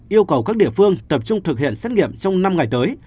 yêu cầu các địa phương tập trung thực hiện xét nghiệm trong năm ngày tới